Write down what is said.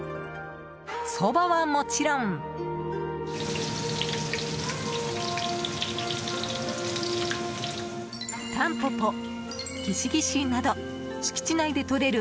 そばはもちろんタンポポ、ギシギシなど敷地内で採れる